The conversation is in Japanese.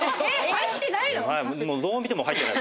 入ってないの？